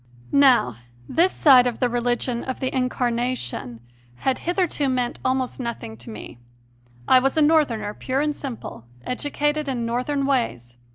Now, this side of the religion of the Incarnation 154 CONFESSIONS OF A CONVERT had hitherto meant almost nothing to me. I was a Northerner pure and simple, educated in Northern ways.